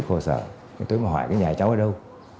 tôi thấy khổ sở tôi hỏi nhà cháu ở đâu